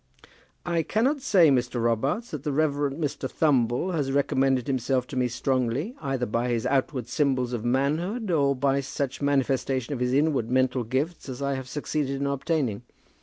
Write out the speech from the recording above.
"I cannot say, Mr. Robarts, that the Reverend Mr. Thumble has recommended himself to me strongly either by his outward symbols of manhood or by such manifestation of his inward mental gifts as I have succeeded in obtaining.